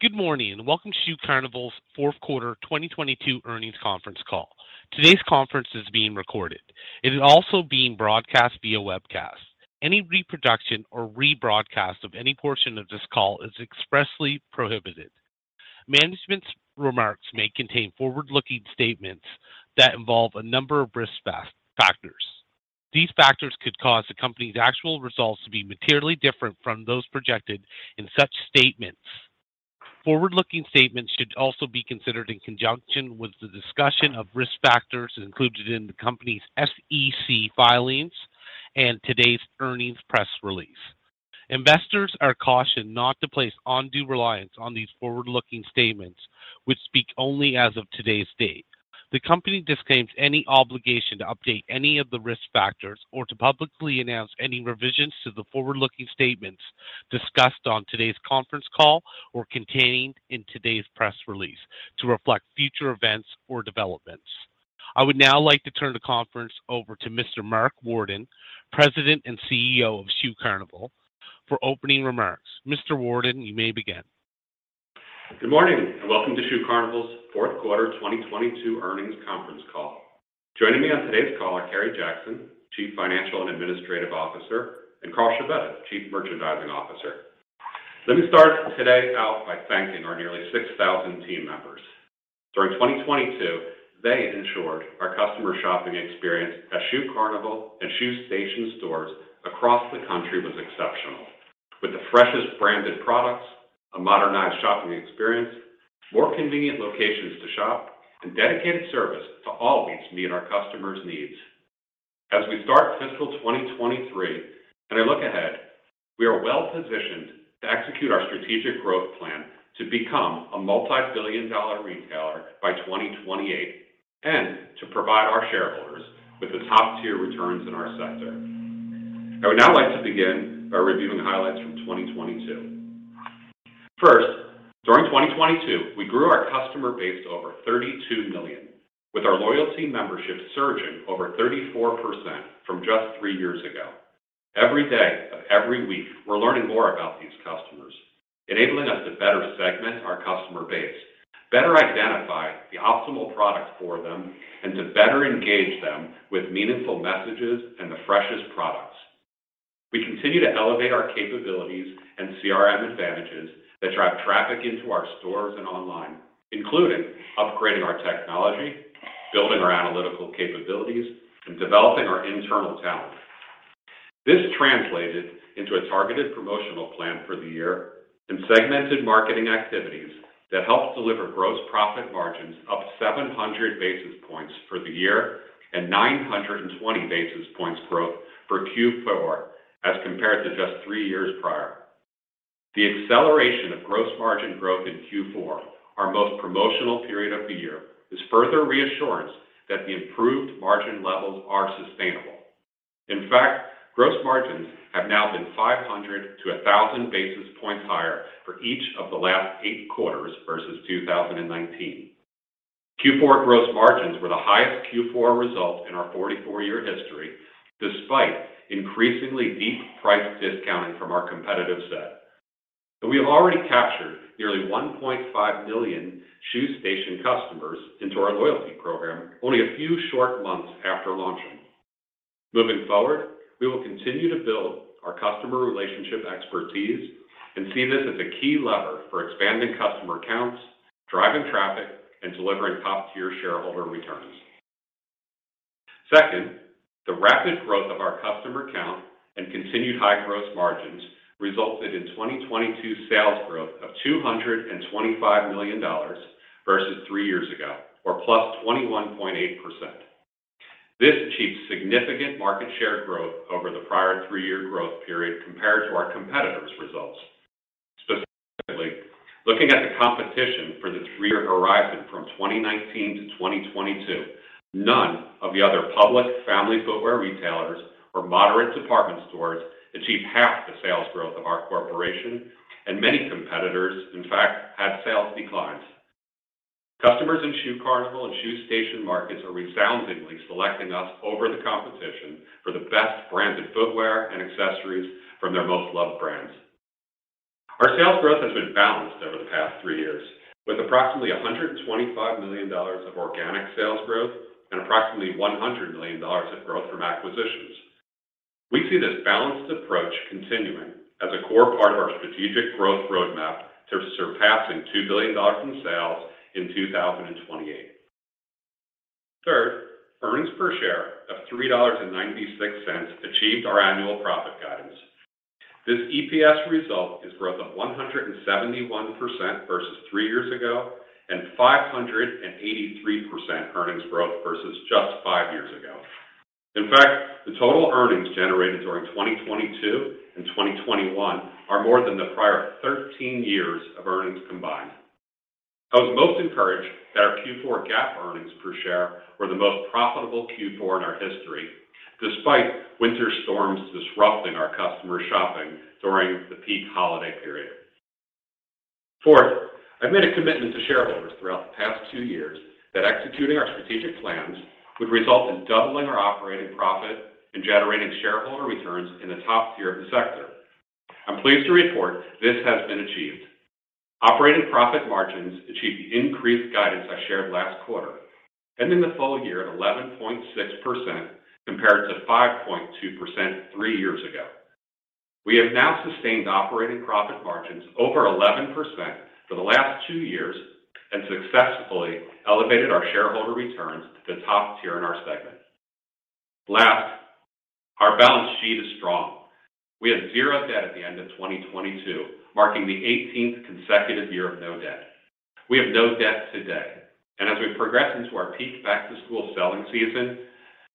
Good morning, welcome to Shoe Carnival's fourth quarter 2022 earnings conference call. Today's conference is being recorded. It is also being broadcast via webcast. Any reproduction or rebroadcast of any portion of this call is expressly prohibited. Management's remarks may contain forward-looking statements that involve a number of risk factors. These factors could cause the company's actual results to be materially different from those projected in such statements. Forward-looking statements should also be considered in conjunction with the discussion of risk factors included in the company's SEC filings and today's earnings press release. Investors are cautioned not to place undue reliance on these forward-looking statements, which speak only as of today's date. The company disclaims any obligation to update any of the risk factors or to publicly announce any revisions to the forward-looking statements discussed on today's conference call or contained in today's press release to reflect future events or developments. I would now like to turn the conference over to Mr. Mark Worden, President and CEO of Shoe Carnival, for opening remarks. Mr. Worden, you may begin. Good morning. Welcome to Shoe Carnival's fourth quarter 2022 earnings conference call. Joining me on today's call are Patrick Edwards, Chief Financial and Administrative Officer, and Carl Scibetta, Chief Merchandising Officer. Let me start today out by thanking our nearly 6,000 team members. During 2022, they ensured our customer shopping experience at Shoe Carnival and Shoe Station stores across the country was exceptional. With the freshest branded products, a modernized shopping experience, more convenient locations to shop, and dedicated service to always meet our customers' needs. As we start fiscal 2023, and I look ahead, we are well-positioned to execute our strategic growth plan to become a multi-billion dollar retailer by 2028, and to provide our shareholders with the top-tier returns in our sector. I would now like to begin by reviewing highlights from 2022. During 2022, we grew our customer base to over $32 million, with our loyalty membership surging over 34% from just three years ago. Every day of every week, we're learning more about these customers, enabling us to better segment our customer base, better identify the optimal product for them, and to better engage them with meaningful messages and the freshest products. We continue to elevate our capabilities and CRM advantages that drive traffic into our stores and online, including upgrading our technology, building our analytical capabilities, and developing our internal talent. This translated into a targeted promotional plan for the year and segmented marketing activities that helped deliver gross profit margins up 700 basis points for the year and 920 basis points growth for Q4 as compared to just three years prior. The acceleration of gross margin growth in Q4, our most promotional period of the year, is further reassurance that the improved margin levels are sustainable. In fact, gross margins have now been 500-1,000 basis points higher for each of the last eight quarters versus 2019. Q4 gross margins were the highest Q4 result in our 44-year history, despite increasingly deep price discounting from our competitive set. We have already captured nearly 1.5 million Shoe Station customers into our loyalty program only a few short months after launching. Moving forward, we will continue to build our customer relationship expertise and see this as a key lever for expanding customer counts, driving traffic, and delivering top-tier shareholder returns. Second, the rapid growth of our customer count and continued high gross margins resulted in 2022 sales growth of $225 million versus 3 years ago, or +21.8%. This achieved significant market share growth over the prior 3-year growth period compared to our competitors' results. Specifically, looking at the competition for the 3-year horizon from 2019 to 2022, none of the other public family footwear retailers or moderate department stores achieved half the sales growth of our corporation, and many competitors, in fact, had sales declines. Customers in Shoe Carnival and Shoe Station markets are resoundingly selecting us over the competition for the best branded footwear and accessories from their most loved brands. Our sales growth has been balanced over the past three years, with approximately $125 million of organic sales growth and approximately $100 million of growth from acquisitions. We see this balanced approach continuing as a core part of our strategic growth roadmap to surpassing $2 billion in sales in 2028. Third, EPS of $3.96 achieved our annual profit guidance. This EPS result is growth of 171% versus three years ago and 583% earnings growth versus just five years ago. The total earnings generated during 2022 and 2021 are more than the prior 13 years of earnings combined. I was most encouraged that our Q4 GAAP earnings per share were the most profitable Q4 in our history, despite winter storms disrupting our customers' shopping during the peak holiday period. I made a commitment to shareholders throughout the past 2 years that executing our strategic plans would result in doubling our operating profit and generating shareholder returns in the top tier of the sector. I'm pleased to report this has been achieved. Operating profit margins achieved the increased guidance I shared last quarter, ending the full year at 11.6% compared to 5.2% 3 years ago. We have now sustained operating profit margins over 11% for the last 2 years and successfully elevated our shareholder returns to the top tier in our segment. Our balance sheet is strong. We had 0 debt at the end of 2022, marking the 18th consecutive year of no debt. We have no debt today. As we progress into our peak back-to-school selling season,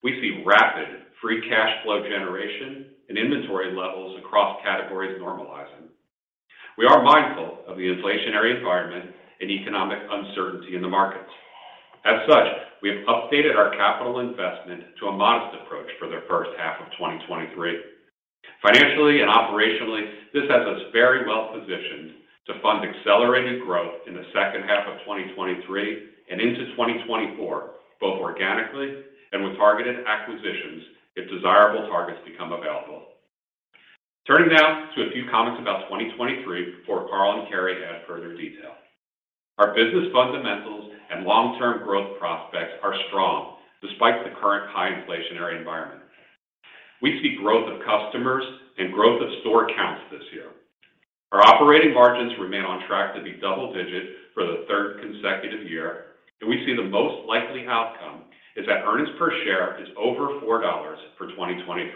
we see rapid free cash flow generation and inventory levels across categories normalizing. We are mindful of the inflationary environment and economic uncertainty in the markets. As such, we have updated our capital investment to a modest approach for the first half of 2023. Financially and operationally, this has us very well-positioned to fund accelerated growth in the second half of 2023 and into 2024, both organically and with targeted acquisitions if desirable targets become available. Turning now to a few comments about 2023 before Carl and Kerry add further detail. Our business fundamentals and long-term growth prospects are strong despite the current high inflationary environment. We see growth of customers and growth of store counts this year. Our operating margins remain on track to be double digit for the third consecutive year, and we see the most likely outcome is that earnings per share is over $4 for 2023.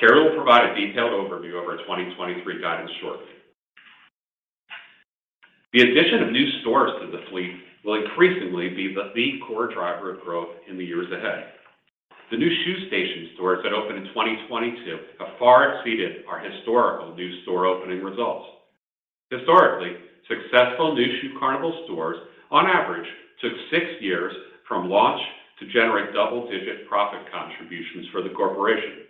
Kerry will provide a detailed overview of our 2023 guidance shortly. The addition of new stores to the fleet will increasingly be the key core driver of growth in the years ahead. The new Shoe Station stores that opened in 2022 have far exceeded our historical new store opening results. Historically, successful new Shoe Carnival stores on average took six years from launch to generate double digit profit contributions for the corporation.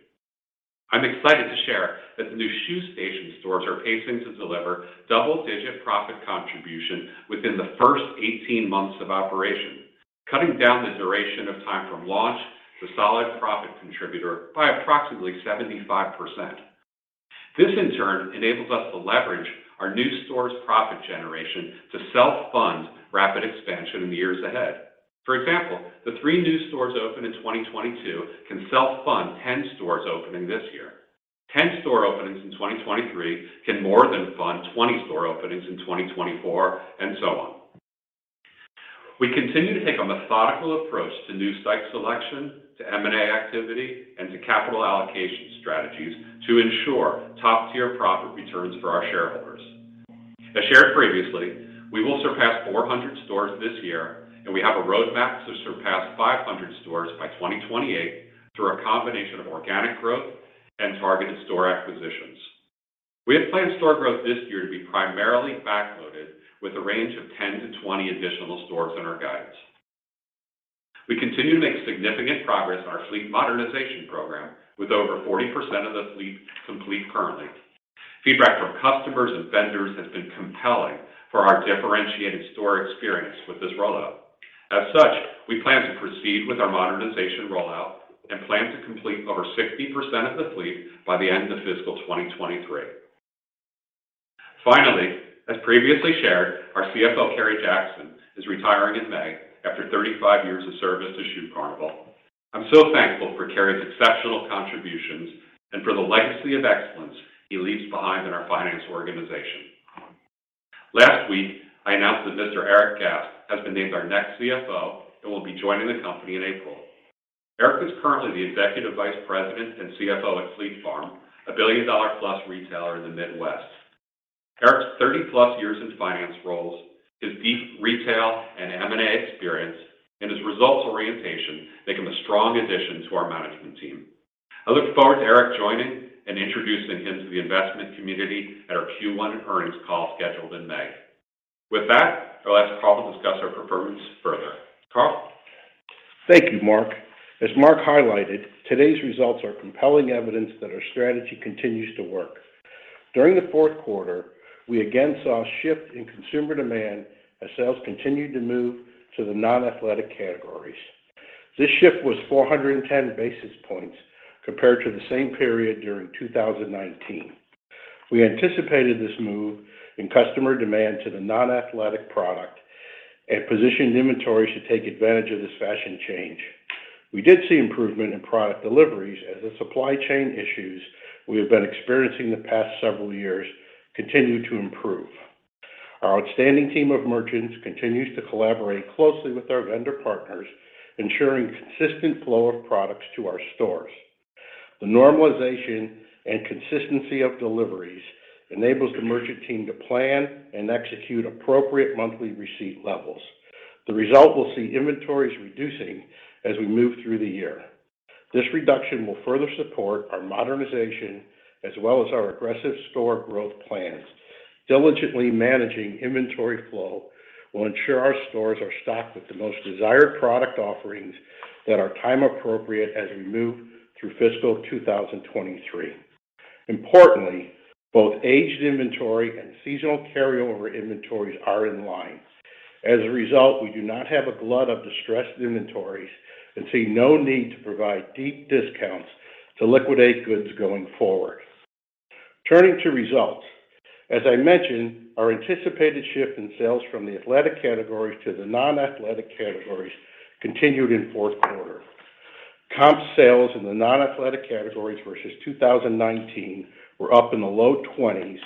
I'm excited to share that the new Shoe Station stores are pacing to deliver double-digit profit contribution within the first 18 months of operation, cutting down the duration of time from launch to solid profit contributor by approximately 75%. This, in turn, enables us to leverage our new stores' profit generation to self-fund rapid expansion in the years ahead. For example, the three new stores opened in 2022 can self-fund 10 stores opening this year. 10 store openings in 2023 can more than fund 20 store openings in 2024, and so on. We continue to take a methodical approach to new site selection, to M&A activity, and to capital allocation strategies to ensure top-tier profit returns for our shareholders. As shared previously, we will surpass 400 stores this year. We have a roadmap to surpass 500 stores by 2028 through a combination of organic growth and targeted store acquisitions. We have planned store growth this year to be primarily back-loaded with a range of 10-20 additional stores in our guidance. We continue to make significant progress in our fleet modernization program, with over 40% of the fleet complete currently. Feedback from customers and vendors has been compelling for our differentiated store experience with this rollout. As such, we plan to proceed with our modernization rollout and plan to complete over 60% of the fleet by the end of fiscal 2023. As previously shared, our CFO, Kerry Jackson, is retiring in May after 35 years of service to Shoe Carnival. I'm so thankful for Kerry's exceptional contributions and for the legacy of excellence he leaves behind in our finance organization. Last week, I announced that Mr. Erik Gast has been named our next CFO and will be joining the company in April. Erik is currently the Executive Vice President and CFO at Fleet Farm, a $1 billion-plus retailer in the Midwest. Erik's 30-plus years in finance roles, his deep retail and M&A experience, and his results orientation make him a strong addition to our management team. I look forward to Erik joining and introducing him to the investment community at our Q1 earnings call scheduled in May. With that, I'll ask Carl to discuss our performance further. Carl? Thank you, Mark. As Mark highlighted, today's results are compelling evidence that our strategy continues to work. During the fourth quarter, we again saw a shift in consumer demand as sales continued to move to the non-athletic categories. This shift was 410 basis points compared to the same period during 2019. We anticipated this move in customer demand to the non-athletic product and positioned inventory to take advantage of this fashion change. We did see improvement in product deliveries as the supply chain issues we have been experiencing the past several years continue to improve. Our outstanding team of merchants continues to collaborate closely with our vendor partners, ensuring consistent flow of products to our stores. The normalization and consistency of deliveries enables the merchant team to plan and execute appropriate monthly receipt levels. The result will see inventories reducing as we move through the year. This reduction will further support our modernization as well as our aggressive store growth plans. Diligently managing inventory flow will ensure our stores are stocked with the most desired product offerings that are time appropriate as we move through fiscal 2023. Importantly, both aged inventory and seasonal carryover inventories are in line. We do not have a glut of distressed inventories and see no need to provide deep discounts to liquidate goods going forward. Turning to results, as I mentioned, our anticipated shift in sales from the athletic categories to the non-athletic categories continued in fourth quarter. Comp sales in the non-athletic categories versus 2019 were up in the low 20s,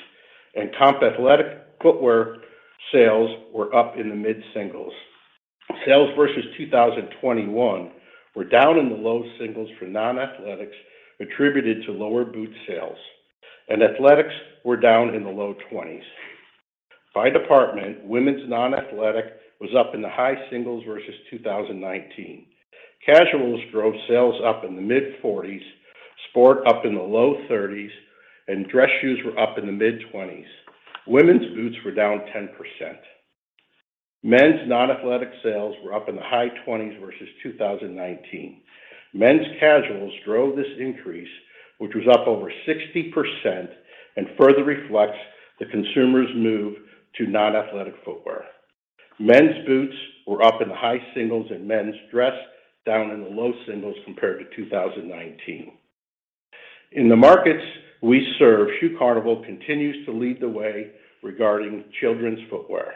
and comp athletic footwear sales were up in the mid-singles. Sales versus 2021 were down in the low singles for non-athletics, attributed to lower boot sales, and athletics were down in the low 20s. By department, women's non-athletic was up in the high singles versus 2019. Casuals drove sales up in the mid-40s, sport up in the low 30s, and dress shoes were up in the mid-20s. Women's boots were down 10%. Men's non-athletic sales were up in the high 20s versus 2019. Men's casuals drove this increase, which was up over 60% and further reflects the consumer's move to non-athletic footwear. Men's boots were up in the high singles and men's dress down in the low singles compared to 2019. In the markets we serve, Shoe Carnival continues to lead the way regarding children's footwear.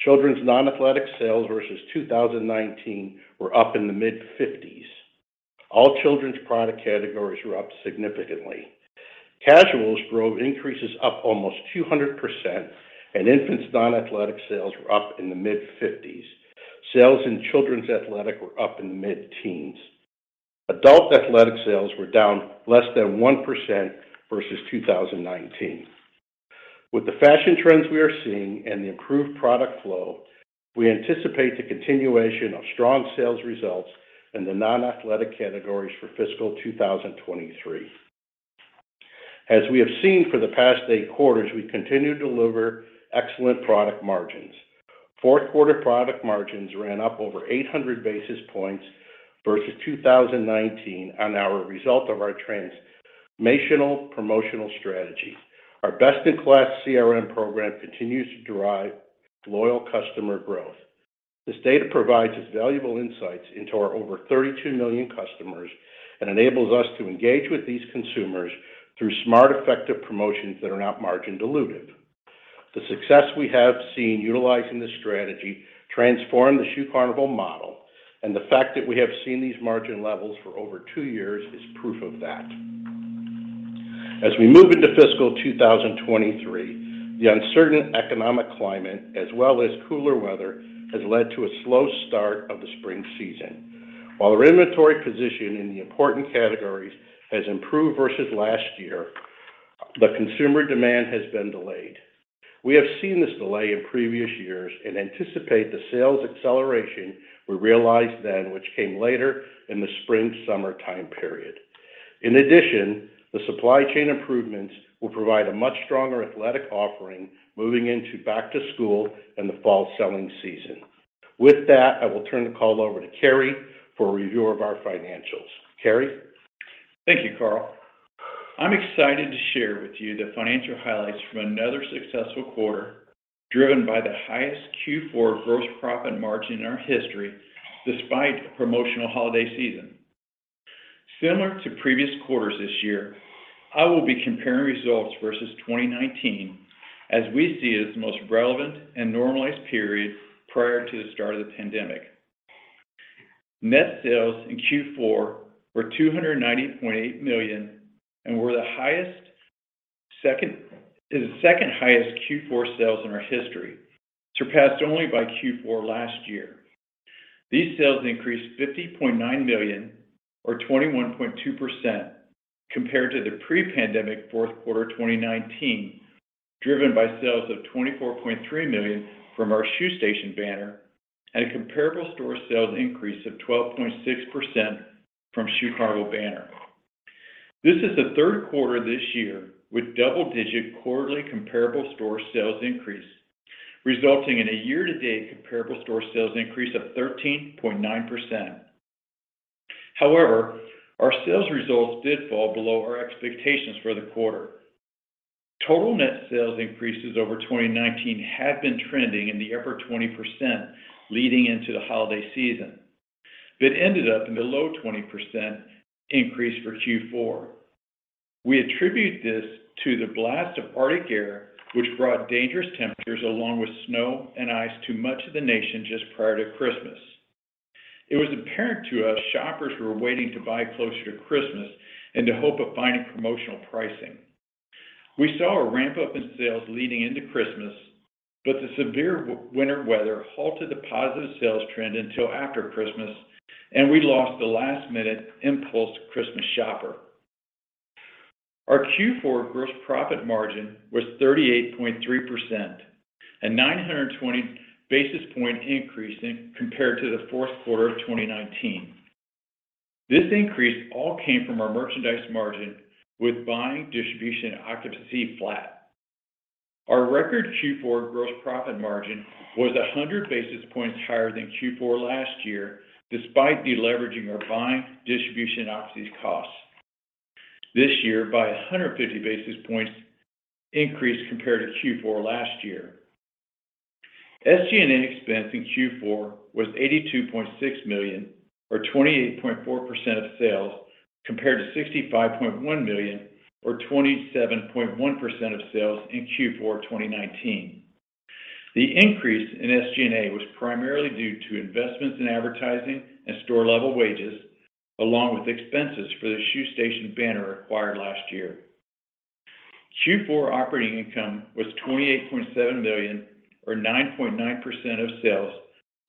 Children's non-athletic sales versus 2019 were up in the mid-50s. All children's product categories were up significantly. Casuals drove increases up almost 200%, Infants non-athletic sales were up in the mid-50s. Sales in children's athletic were up in the mid-teens. Adult athletic sales were down less than 1% versus 2019. With the fashion trends we are seeing and the improved product flow, we anticipate the continuation of strong sales results in the non-athletic categories for fiscal 2023. As we have seen for the past 8 quarters, we continue to deliver excellent product margins. Fourth quarter product margins ran up over 800 basis points versus 2019 on our result of our transformational promotional strategy. Our best-in-class CRM program continues to drive loyal customer growth. This data provides us valuable insights into our over 32 million customers and enables us to engage with these consumers through smart, effective promotions that are not margin dilutive. The success we have seen utilizing this strategy transformed the Shoe Carnival model, and the fact that we have seen these margin levels for over two years is proof of that. As we move into fiscal 2023, the uncertain economic climate as well as cooler weather has led to a slow start of the spring season. While our inventory position in the important categories has improved versus last year, the consumer demand has been delayed. We have seen this delay in previous years and anticipate the sales acceleration we realized then which came later in the spring-summer time period. The supply chain improvements will provide a much stronger athletic offering moving into back to school and the fall selling season. With that, I will turn the call over to Kerry for a review of our financials. Kerry? Thank you, Carl. I'm excited to share with you the financial highlights from another successful quarter driven by the highest Q4 gross profit margin in our history despite a promotional holiday season. Similar to previous quarters this year, I will be comparing results versus 2019 as we see as the most relevant and normalized period prior to the start of the pandemic. Net sales in Q4 were $298.8 million and were the second-highest Q4 sales in our history, surpassed only by Q4 last year. These sales increased $50.9 million or 21.2% compared to the pre-pandemic fourth quarter 2019, driven by sales of $24.3 million from our Shoe Station banner and a comparable store sales increase of 12.6% from Shoe Carnival banner. This is the 3rd quarter this year with double-digit quarterly comparable store sales increase, resulting in a year-to-date comparable store sales increase of 13.9%. Our sales results did fall below our expectations for the quarter. Total net sales increases over 2019 had been trending in the upper 20% leading into the holiday season but ended up in the low 20% increase for Q4. We attribute this to the blast of Arctic air which brought dangerous temperatures along with snow and ice to much of the nation just prior to Christmas. It was apparent to us shoppers were waiting to buy closer to Christmas in the hope of finding promotional pricing. We saw a ramp-up in sales leading into Christmas, but the severe winter weather halted the positive sales trend until after Christmas, and we lost the last-minute impulse Christmas shopper. Our Q4 gross profit margin was 38.3%, a 920 basis point increase compared to the fourth quarter of 2019. This increase all came from our merchandise margin with buying distribution occupancy flat. Our record Q4 gross profit margin was 100 basis points higher than Q4 last year despite deleveraging our buying distribution occupancy costs this year by a 150 basis points increase compared to Q4 last year. SG&A expense in Q4 was $82.6 million or 28.4% of sales, compared to $65.1 million or 27.1% of sales in Q4 2019. The increase in SG&A was primarily due to investments in advertising and store-level wages, along with expenses for the Shoe Station banner acquired last year. Q4 operating income was $28.7 million or 9.9% of sales,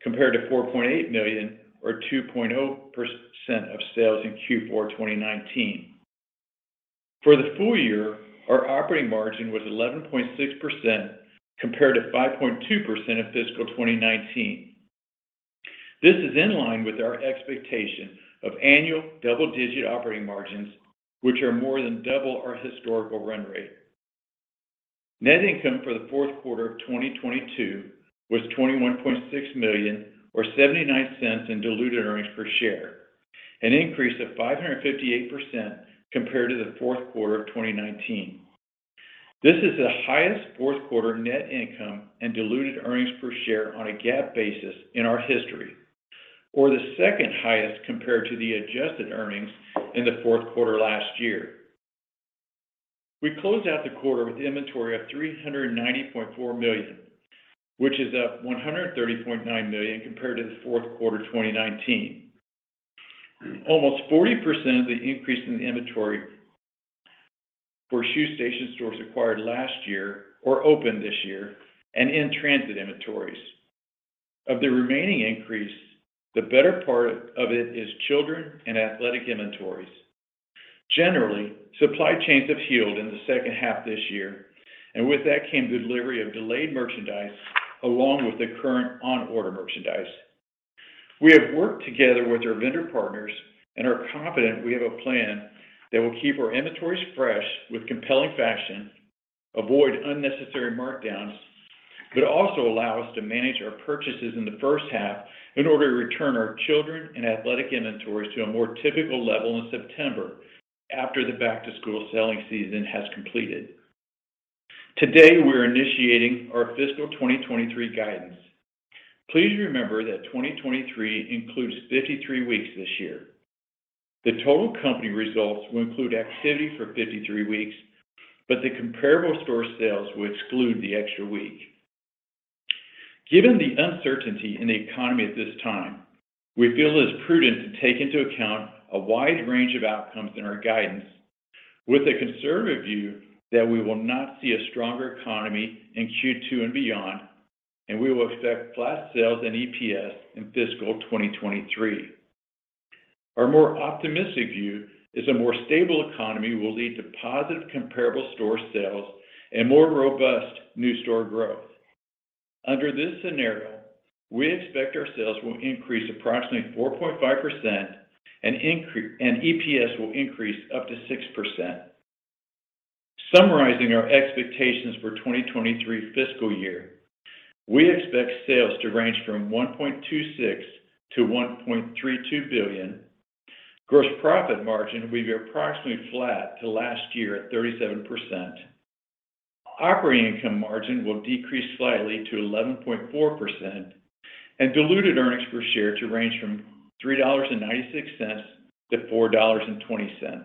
compared to $4.8 million or 2.0% of sales in Q4 2019. For the full year, our operating margin was 11.6% compared to 5.2% in fiscal 2019. This is in line with our expectation of annual double-digit operating margins, which are more than double our historical run rate. Net income for the fourth quarter of 2022 was $21.6 million or $0.79 in diluted earnings per share, an increase of 558% compared to the fourth quarter of 2019. This is the highest fourth quarter net income and diluted earnings per share on a GAAP basis in our history, or the second highest compared to the adjusted earnings in the fourth quarter last year. We closed out the quarter with inventory of $390.4 million, which is up $130.9 million compared to the fourth quarter 2019. Almost 40% of the increase in the inventory for Shoe Station stores acquired last year or opened this year and in-transit inventories. Of the remaining increase, the better part of it is children and athletic inventories. Generally, supply chains have healed in the second half this year, and with that came delivery of delayed merchandise along with the current on-order merchandise. We have worked together with our vendor partners and are confident we have a plan that will keep our inventories fresh with compelling fashion, avoid unnecessary markdowns, but also allow us to manage our purchases in the first half in order to return our children and athletic inventories to a more typical level in September after the back-to-school selling season has completed. Today, we are initiating our fiscal 2023 guidance. Please remember that 2023 includes 53 weeks this year. The total company results will include activity for 53 weeks, but the comparable store sales will exclude the extra week. Given the uncertainty in the economy at this time, we feel it is prudent to take into account a wide range of outcomes in our guidance with a conservative view that we will not see a stronger economy in Q2 and beyond, we will expect flat sales and EPS in fiscal 2023. Our more optimistic view is a more stable economy will lead to positive comparable store sales and more robust new store growth. Under this scenario, we expect our sales will increase approximately 4.5% and EPS will increase up to 6%. Summarizing our expectations for 2023 fiscal year, we expect sales to range from $1.26 billion-$1.32 billion. Gross profit margin will be approximately flat to last year at 37%. Operating income margin will decrease slightly to 11.4% and diluted earnings per share to range from $3.96 to $4.20.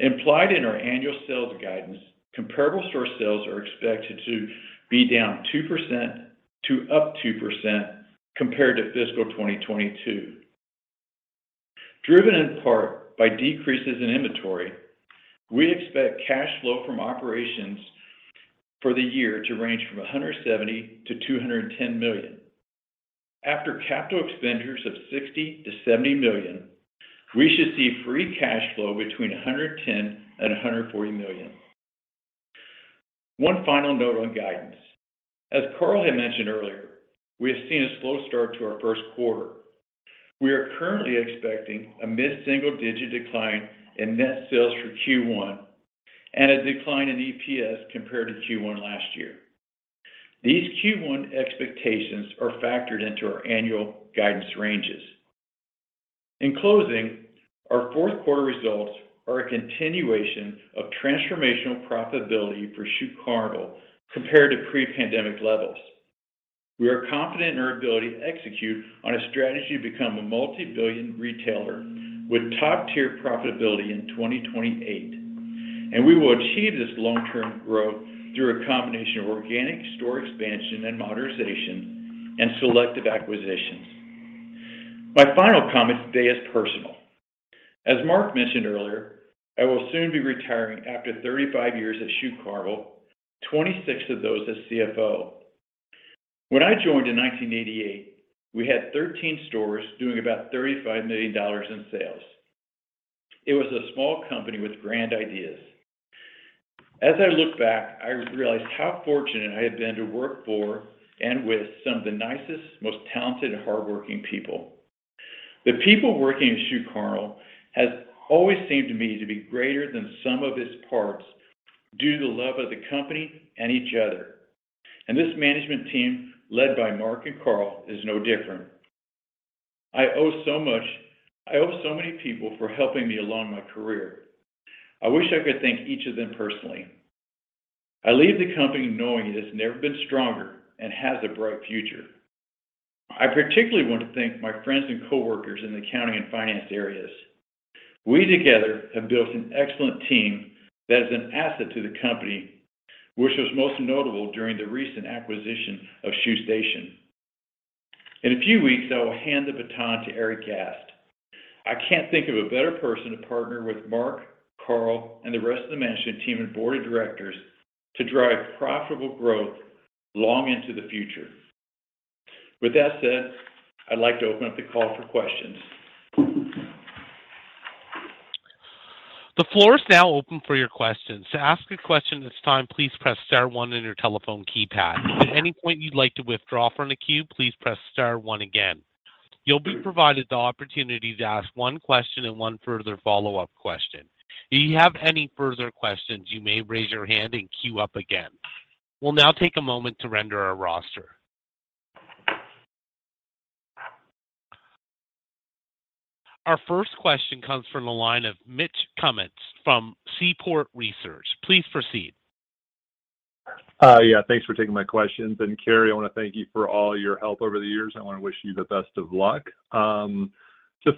Implied in our annual sales guidance, comparable store sales are expected to be down 2% to up 2% compared to fiscal 2022. Driven in part by decreases in inventory, we expect cash flow from operations for the year to range from $170 million-$210 million. After capital expenditures of $60 million-$70 million, we should see free cash flow between $110 million and $140 million. One final note on guidance. As Carl had mentioned earlier, we have seen a slow start to our first quarter. We are currently expecting a mid-single-digit decline in net sales for Q1 and a decline in EPS compared to Q1 last year. These Q1 expectations are factored into our annual guidance ranges. In closing, our fourth quarter results are a continuation of transformational profitability for Shoe Carnival compared to pre-pandemic levels. We are confident in our ability to execute on a strategy to become a multi-billion retailer with top-tier profitability in 2028. We will achieve this long-term growth through a combination of organic store expansion and modernization and selective acquisitions. My final comment today is personal. As Mark mentioned earlier, I will soon be retiring after 35 years at Shoe Carnival, 26 of those as CFO. When I joined in 1988, we had 13 stores doing about $35 million in sales. It was a small company with grand ideas. As I look back, I realize how fortunate I have been to work for and with some of the nicest, most talented, hardworking people. The people working at Shoe Carnival has always seemed to me to be greater than sum of its parts due to the love of the company and each other. This management team, led by Mark and Carl, is no different. I owe so many people for helping me along my career. I wish I could thank each of them personally. I leave the company knowing it has never been stronger and has a bright future. I particularly want to thank my friends and coworkers in the accounting and finance areas. We together have built an excellent team that is an asset to the company, which was most notable during the recent acquisition of Shoe Station. In a few weeks, I will hand the baton to Erik Gast. I can't think of a better person to partner with Mark, Carl, and the rest of the management team and board of directors to drive profitable growth long into the future. With that said, I'd like to open up the call for questions. The floor is now open for your questions. To ask a question at this time, please press star one on your telephone keypad. If at any point you'd like to withdraw from the queue, please press star one again. You'll be provided the opportunity to ask one question and one further follow-up question. If you have any further questions, you may raise your hand and queue up again. We'll now take a moment to render our roster. Our first question comes from the line of Mitch Kummetz from Seaport Research Partners. Please proceed. Yeah, thanks for taking my questions. Kerry, I want to thank you for all your help over the years. I want to wish you the best of luck.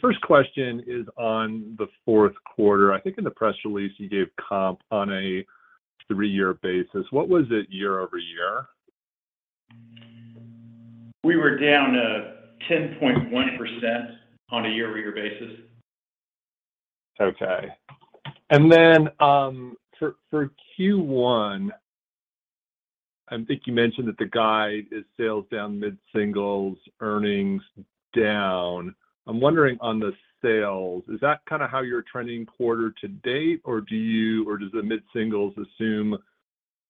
First question is on the fourth quarter. I think in the press release you gave comp on a 3-year basis. What was it year-over-year? We were down 10.1% on a year-over-year basis. Okay. For Q1, I think you mentioned that the guide is sales down mid-singles, earnings down. I'm wondering on the sales, is that kind of how you're trending quarter to date, or does the mid-singles assume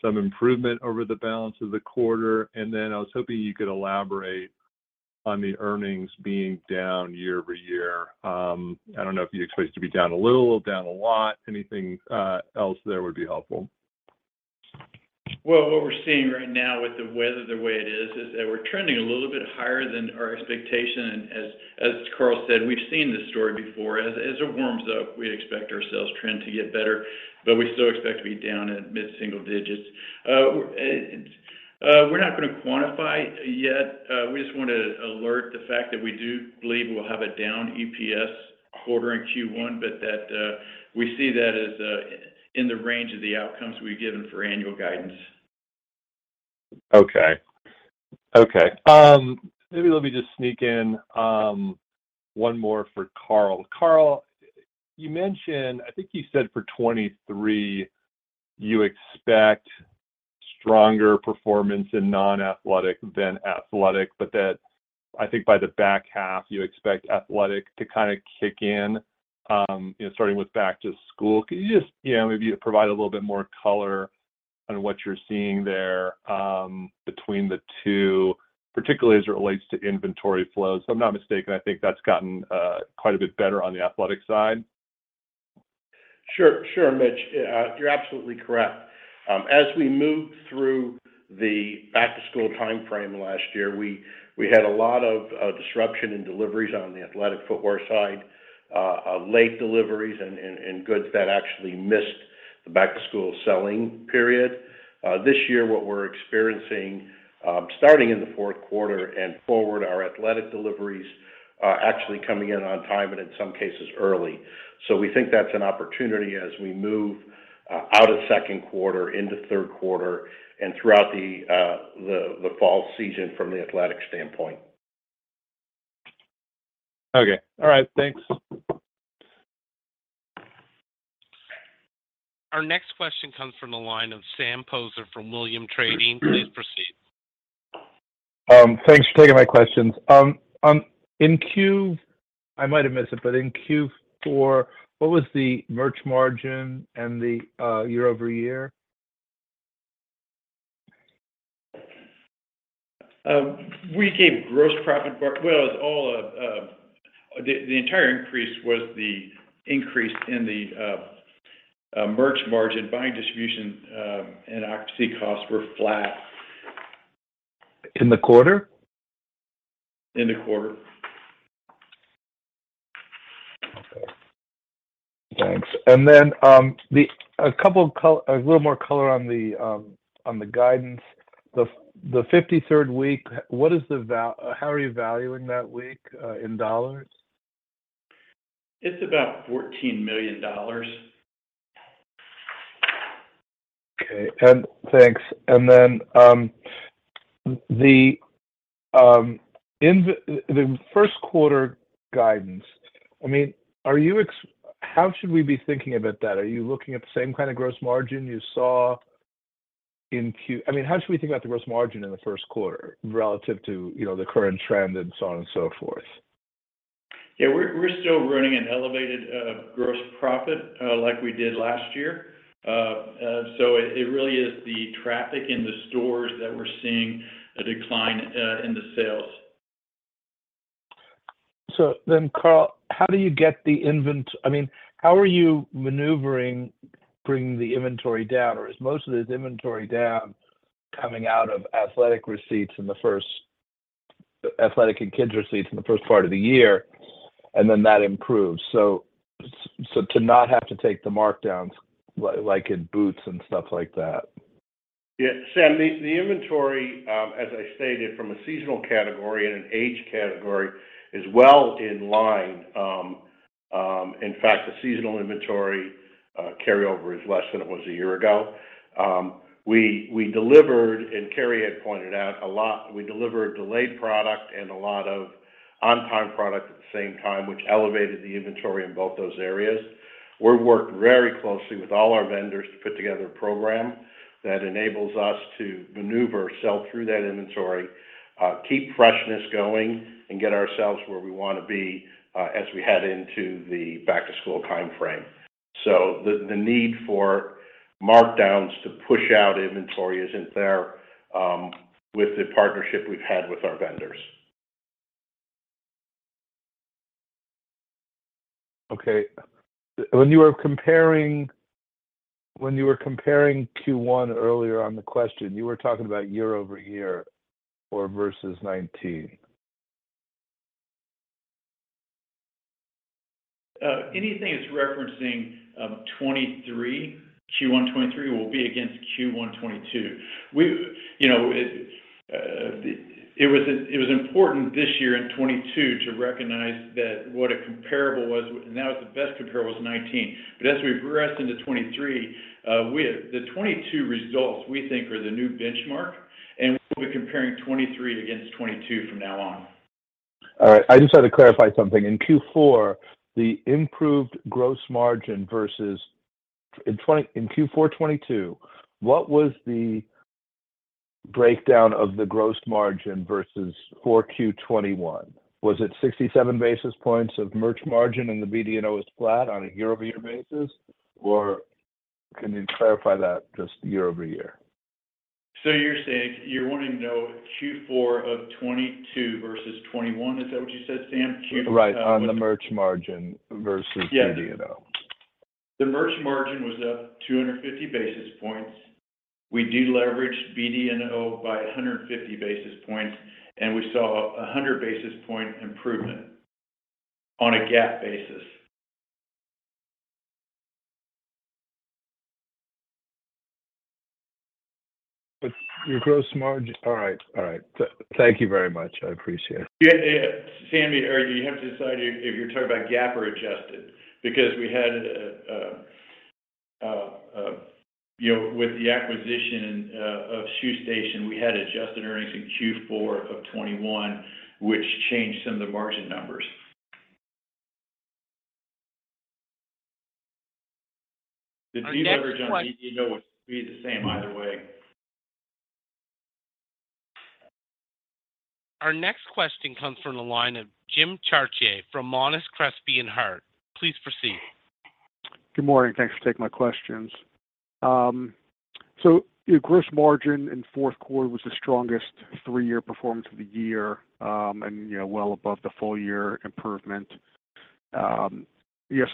some improvement over the balance of the quarter? I was hoping you could elaborate on the earnings being down year-over-year. I don't know if you expect it to be down a little, down a lot. Anything else there would be helpful. Well, what we're seeing right now with the weather the way it is that we're trending a little bit higher than our expectation. As Carl said, we've seen this story before. As it warms up, we expect our sales trend to get better, but we still expect to be down at mid-single digits. We're not going to quantify yet. We just want to alert the fact that we do believe we'll have a down EPS quarter in Q1, but that we see that as in the range of the outcomes we've given for annual guidance. Okay. Okay. Maybe let me just sneak in one more for Carl. Carl, you mentioned, I think you said for 2023 you expect stronger performance in non-athletic than athletic, but that I think by the back half, you expect athletic to kind of kick in, you know, starting with back to school. Can you just, you know, maybe provide a little bit more color on what you're seeing there between the two, particularly as it relates to inventory flows? If I'm not mistaken, I think that's gotten quite a bit better on the athletic side. Sure, Mitch. You're absolutely correct. As we moved through the back-to-school time frame last year, we had a lot of disruption in deliveries on the athletic footwear side, of late deliveries and goods that actually missed the back-to-school selling period. This year, what we're experiencing, starting in the fourth quarter and forward, our athletic deliveries are actually coming in on time and in some cases early. We think that's an opportunity as we move out of second quarter into third quarter and throughout the fall season from the athletic standpoint. Okay. All right. Thanks. Our next question comes from the line of Sam Poser from Williams Trading. Please proceed. Thanks for taking my questions. I might have missed it, but in Q4, what was the merch margin and the year-over-year? Well, it's all the entire increase was the increase in the merch margin. Buying distribution and occupancy costs were flat. In the quarter? In the quarter. Okay. Thanks. A little more color on the guidance. The 53rd week, how are you valuing that week in dollars? It's about $14 million. Okay. Thanks. In the first quarter guidance, I mean, how should we be thinking about that? Are you looking at the same kind of gross margin you saw in Q... I mean, how should we think about the gross margin in the first quarter relative to, you know, the current trend and so on and so forth? Yeah. We're still running an elevated, gross profit, like we did last year. It really is the traffic in the stores that we're seeing a decline, in the sales. Carl, how do you get the I mean, how are you maneuvering bringing the inventory down, or is most of this inventory down? Coming out of athletic receipts in athletic and kids receipts in the first part of the year, and then that improves. To not have to take the markdowns like in boots and stuff like that. Yeah, Sam, the inventory, as I stated from a seasonal category and an age category, is well in line. In fact, the seasonal inventory carryover is less than it was a year ago. We delivered, and Kerry Jackson had pointed out, we delivered delayed product and a lot of on-time product at the same time, which elevated the inventory in both those areas. We worked very closely with all our vendors to put together a program that enables us to maneuver, sell through that inventory, keep freshness going, and get ourselves where we wanna be as we head into the back-to-school timeframe. The need for markdowns to push out inventory isn't there with the partnership we've had with our vendors. Okay. When you were comparing Q1 earlier on the question, you were talking about year-over-year or versus 2019? Anything that's referencing 2023, Q1 2023 will be against Q1 2022. You know, it was important this year in 2022 to recognize that what a comparable was. Now, the best comparable is 2019. As we progress into 2023, the 2022 results, we think, are the new benchmark, and we'll be comparing 2023 against 2022 from now on. All right. I just had to clarify something. In Q4, the improved gross margin. In Q4 2022, what was the breakdown of the gross margin versus Q4 2021? Was it 67 basis points of merch margin, and the BDNO is flat on a year-over-year basis, or can you clarify that just year-over-year? You're saying you're wanting to know Q4 of 2022 versus 2021. Is that what you said, Sam? Right, on the merch margin versus BDNO. The merch margin was up 250 basis points. We deleveraged BDNO by 150 basis points, and we saw a 100 basis point improvement on a GAAP basis. Your gross margin... All right. Thank you very much. I appreciate it. Yeah. Sam, you have to decide if you're talking about GAAP or adjusted because we had, you know, with the acquisition of Shoe Station, we had adjusted earnings in Q4 of 2021, which changed some of the margin numbers. The deleverage on BDNO would be the same either way. Our next question comes from the line of Jim Chartier from Monness, Crespi, Hardt & Co. Please proceed. Good morning. Thanks for taking my questions. Your gross margin in fourth quarter was the strongest three-year performance of the year, and, you know, well above the full year improvement. Yeah, you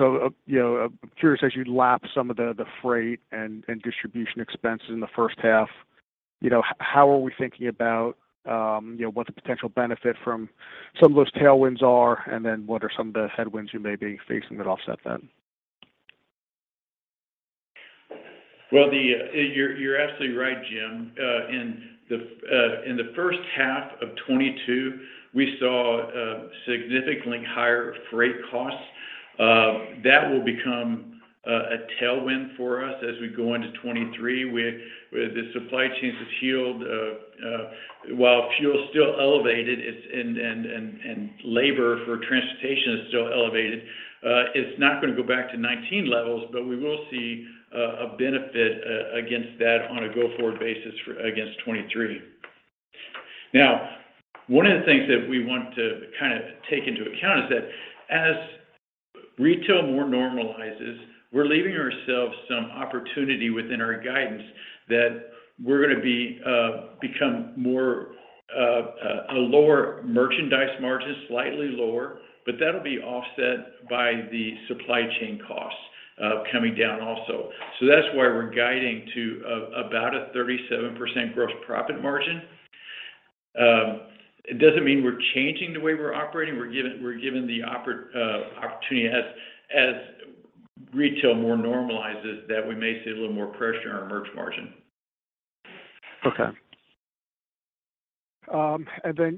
know, I'm curious, as you lap some of the freight and distribution expenses in the first half, you know, how are we thinking about, you know, what the potential benefit from some of those tailwinds are, and then what are some of the headwinds you may be facing that offset them? Well, you're absolutely right, Jim. In the first half of 2022, we saw significantly higher freight costs. That will become a tailwind for us as we go into 2023. The supply chains have healed. While fuel is still elevated, and labor for transportation is still elevated, it's not gonna go back to 2019 levels, but we will see a benefit against that on a go-forward basis against 2023. Now, one of the things that we want to kind of take into account is that as retail more normalizes, we're leaving ourselves some opportunity within our guidance that we're gonna be become more a lower merchandise margins, slightly lower, but that'll be offset by the supply chain costs coming down also. That's why we're guiding to about a 37% gross profit margin. It doesn't mean we're changing the way we're operating. We're giving the opportunity as retail more normalizes that we may see a little more pressure on our merch margin. Okay.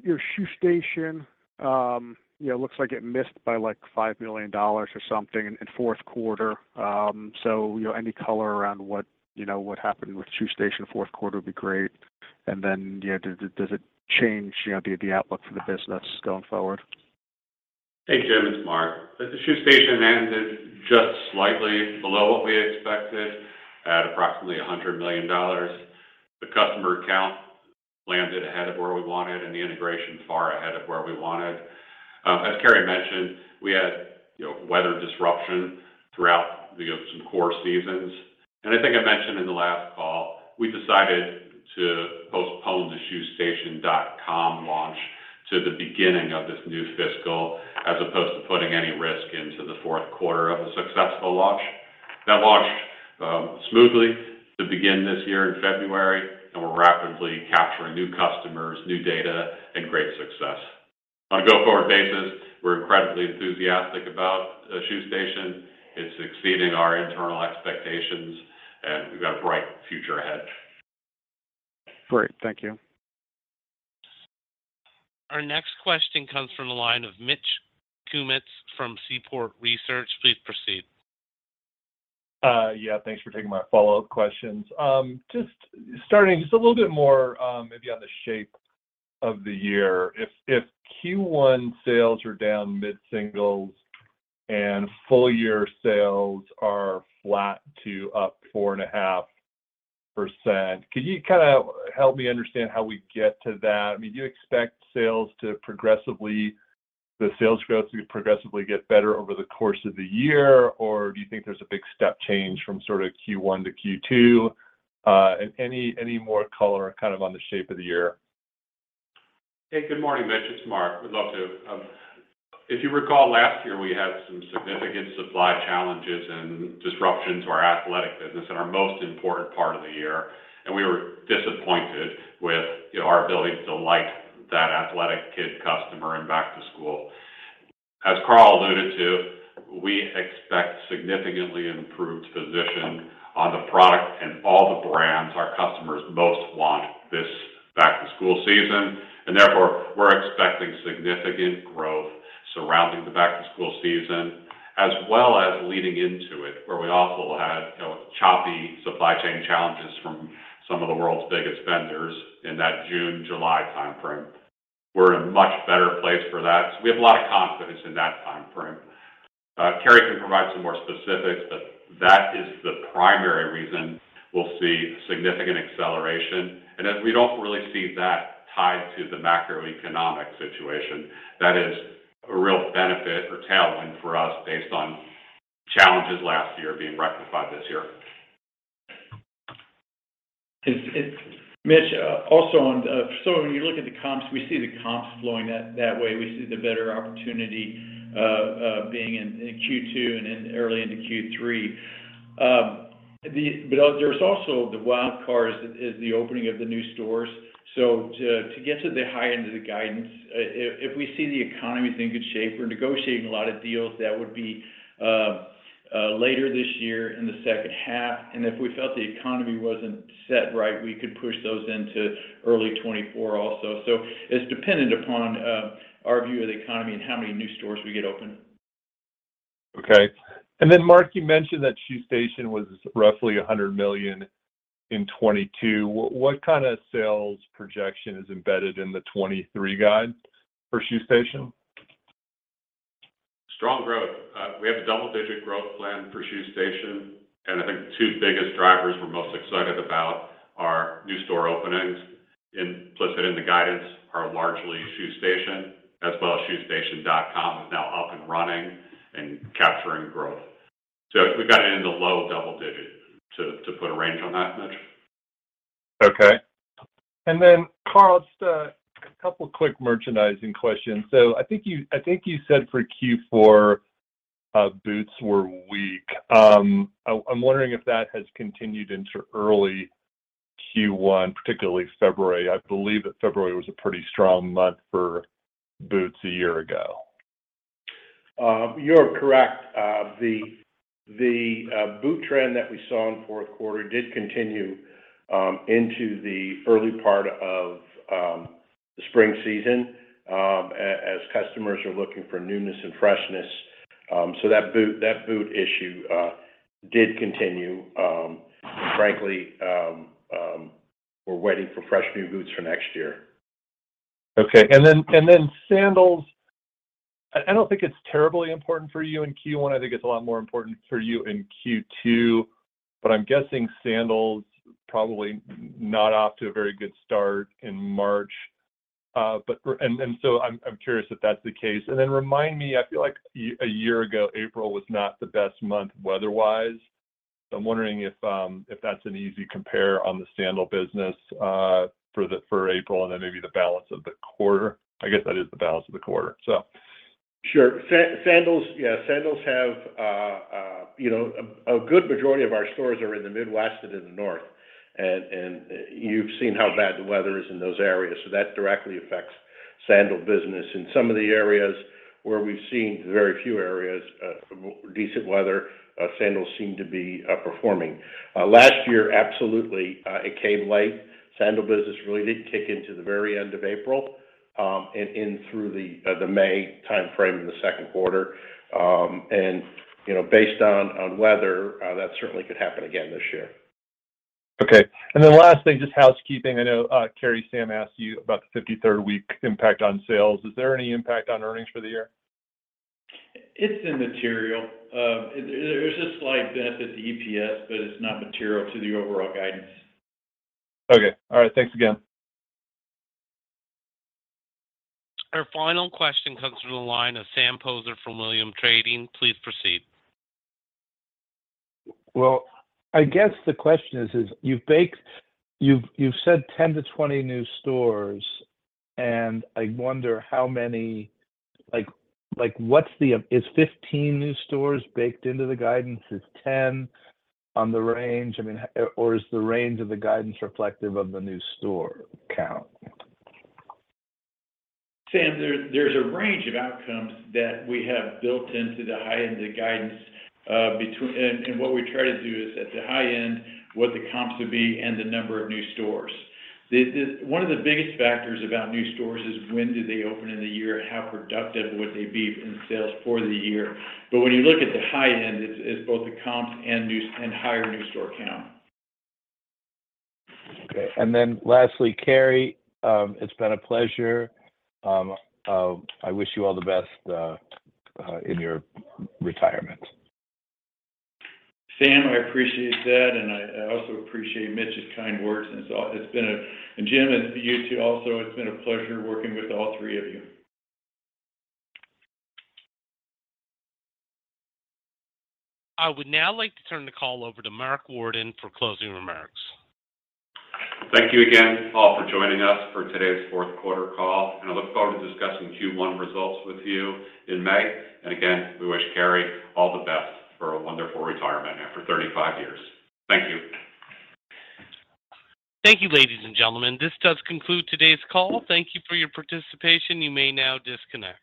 Your Shoe Station, you know, looks like it missed by, like, $5 million or something in fourth quarter. You know, any color around what, you know, what happened with Shoe Station fourth quarter would be great. You know, does it, does it change, you know, the outlook for the business going forward? Hey, Jim, it's Mark. The Shoe Station ended just slightly below what we expected at approximately $100 million. The customer count landed ahead of where we wanted, and the integration far ahead of where we wanted. As Kerry mentioned, we had, you know, weather disruption throughout, you know, some core seasons. I think I mentioned in the last call, we decided to postpone the ShoeStation.com launch to the beginning of this new fiscal as opposed to putting any risk into the fourth quarter of a successful launch. That launched smoothly to begin this year in February, and we're rapidly capturing new customers, new data, and great success. On a go-forward basis, we're incredibly enthusiastic about Shoe Station. It's exceeding our internal expectations, and we've got a bright future ahead. Great. Thank you. Our next question comes from the line of Mitch Kummetz from Seaport Research. Please proceed. Yeah, thanks for taking my follow-up questions. Just starting just a little bit more, maybe on the shape of the year. If Q1 sales are down mid-singles and full-year sales are flat to up 4.5%, could you kinda help me understand how we get to that? I mean, do you expect the sales growth to progressively get better over the course of the year, or do you think there's a big step change from sorta Q1 to Q2? Any more color kind of on the shape of the year? Hey, good morning, Mitch. It's Mark. Would love to. If you recall, last year, we had some significant supply challenges and disruptions to our athletic business in our most important part of the year, and we were disappointed with, you know, our ability to delight that athletic kid customer in back to school. As Carl alluded to, we expect significantly improved position on the product and all the brands our customers most want this back to school season. Therefore, we're expecting significant growth surrounding the back to school season, as well as leading into it, where we also had, you know, choppy supply chain challenges from some of the world's biggest vendors in that June-July timeframe. We're in a much better place for that, so we have a lot of confidence in that timeframe. Kerry can provide some more specifics. That is the primary reason we'll see significant acceleration. As we don't really see that tied to the macroeconomic situation, that is a real benefit or tailwind for us based on challenges last year being rectified this year. It's Mitch, also on. When you look at the comps, we see the comps flowing that way. We see the better opportunity being in Q2 and in early into Q3. There's also the wild card is the opening of the new stores. To get to the high end of the guidance, if we see the economy's in good shape, we're negotiating a lot of deals, that would be later this year in the second half. If we felt the economy wasn't set right, we could push those into early 2024 also. It's dependent upon our view of the economy and how many new stores we get open. Okay. Mark, you mentioned that Shoe Station was roughly $100 million in 2022. What kind of sales projection is embedded in the 2023 guide for Shoe Station? Strong growth. We have a double-digit growth plan for Shoe Station, and I think the two biggest drivers we're most excited about are new store openings. Implicit in the guidance are largely Shoe Station, as well as ShoeStation.com is now up and running and capturing growth. We've got it in the low double-digit to put a range on that, Mitch. Okay. Carl, just a couple quick merchandising questions. I think you said for Q4, boots were weak. I'm wondering if that has continued into early Q1, particularly February. I believe that February was a pretty strong month for boots a year ago. You're correct. The boot trend that we saw in fourth quarter did continue into the early part of the spring season as customers are looking for newness and freshness. That boot issue did continue. Frankly, we're waiting for fresh new boots for next year. Okay. Then sandals, I don't think it's terribly important for you in Q1. I think it's a lot more important for you in Q2. I'm guessing sandals probably not off to a very good start in March. I'm curious if that's the case. Then remind me, I feel like a year ago, April was not the best month weather-wise. I'm wondering if that's an easy compare on the sandal business, for April and then maybe the balance of the quarter. I guess that is the balance of the quarter, so. Sure. Sandals... Yeah, sandals have... You know, a good majority of our stores are in the Midwest and in the North, and you've seen how bad the weather is in those areas, so that directly affects sandal business. In some of the areas where we've seen very few areas of decent weather, sandals seem to be performing. Last year, absolutely, it came late. Sandal business really didn't kick in till the very end of April, and in through the May timeframe in the second quarter. You know, based on weather, that certainly could happen again this year. Okay. Last thing, just housekeeping. I know, Carrie, Sam asked you about the 53rd week impact on sales. Is there any impact on earnings for the year? It's immaterial. There's a slight benefit to EPS, but it's not material to the overall guidance. Okay. All right. Thanks again. Our final question comes from the line of Sam Poser from Williams Trading. Please proceed. Well, I guess the question is, You've said 10 to 20 new stores. I wonder. Like, Is 15 new stores baked into the guidance? Is 10 on the range? I mean, or is the range of the guidance reflective of the new store count? Sam, there's a range of outcomes that we have built into the high end of the guidance, between... What we try to do is, at the high end, what the comps would be and the number of new stores. The... One of the biggest factors about new stores is when do they open in the year and how productive would they be in sales for the year. When you look at the high end, it's both the comps and higher new store count. Okay. Lastly, Kerry, it's been a pleasure. I wish you all the best in your retirement. Sam, I appreciate that, and I also appreciate Mitch's kind words. Jim, it's you too also, it's been a pleasure working with all three of you. I would now like to turn the call over to Mark Worden for closing remarks. Thank you again, all, for joining us for today's fourth quarter call. I look forward to discussing Q1 results with you in May. Again, we wish Kerry all the best for a wonderful retirement after 35 years. Thank you. Thank you, ladies and gentlemen. This does conclude today's call. Thank you for your participation. You may now disconnect.